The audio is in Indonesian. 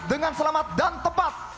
dengan selamat dan tepat